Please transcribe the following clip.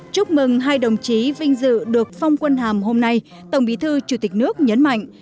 chúc mừng hai đồng chí vinh dự được phong quân hàm hôm nay tổng bí thư chủ tịch nước nhấn mạnh